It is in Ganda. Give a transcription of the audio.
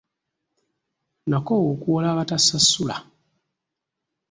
Nakoowa okuwola abatasasula.